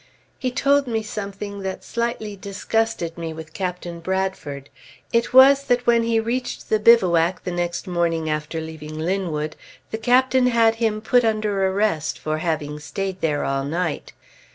He told me something that slightly disgusted me with Captain Bradford. It was that when he reached the bivouac the next morning after leaving Linwood, the Captain had put him under arrest for having stayed there all night.